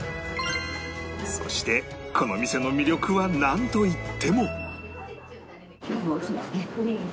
そしてこの店の魅力はなんといっても